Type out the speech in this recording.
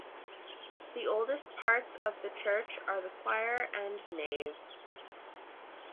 The oldest parts of the church are the choir and nave.